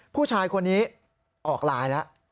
ผู้ชายคนนี้ออกไลน์แล้ว